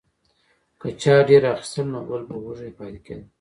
که چا ډیر اخیستل نو بل به وږی پاتې کیده.